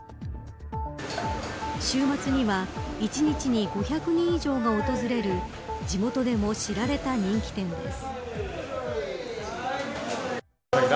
週末には、１日に５００人以上が訪れる地元でも知られた人気店です。